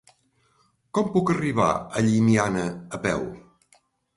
Com puc arribar a Llimiana a peu?